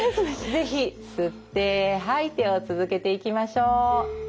是非吸って吐いてを続けていきましょう。